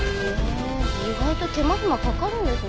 意外と手間暇かかるんですね。